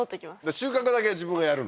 収穫だけ自分がやるの？